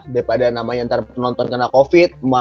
daripada namanya ntar penonton kena covid